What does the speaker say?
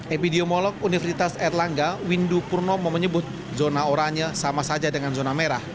epidemiolog universitas erlangga windu purnomo menyebut zona oranye sama saja dengan zona merah